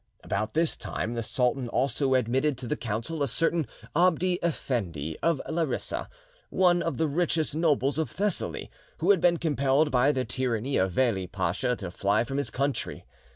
About this time the sultan also admitted to the Council a certain Abdi Effendi of Larissa, one of the richest nobles of Thessaly, who had been compelled by the tyranny of Veli Pacha to fly from his country.